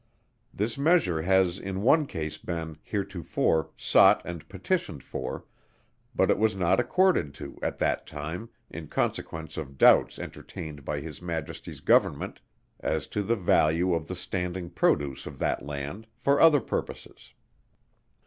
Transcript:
This measure has in one case been, heretofore, sought and petitioned for; but it was not accorded to, at that time, in consequence of doubts entertained by His Majesty's Government, as to the value of the standing produce of that Land, for other purposes.